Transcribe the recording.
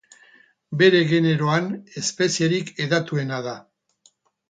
Bere generoan espezierik hedatuena da.